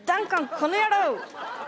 この野郎！